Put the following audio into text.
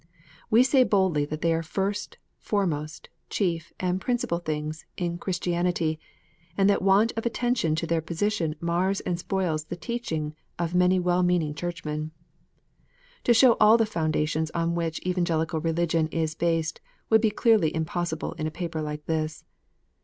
"We say boldly that they are first, foremost, chief, and principal things in Christian ity, and that want of attention to their position mars and spoils the teaching of many well meaning Churchmen. To show all the foundations on which Evangelical Religion is based, would be clearly impossible in a paper like this.